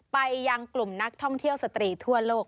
ไปยังกลุ่มนักท่องเที่ยวสตรีทั่วโลก